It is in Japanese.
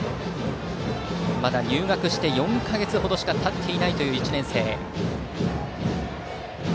まだ、入学して４か月程しかたっていない１年生。